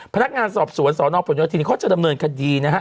พนักงานสอบสวนสนพยที่นี่เขาจะดำเนินคดีนะครับ